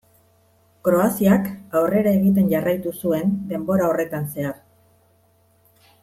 Kroaziak aurrera egiten jarraitu zuen denbora horretan zehar.